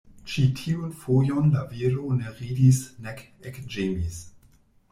Ĉi tiun fojon la viro ne ridis nek ekĝemis.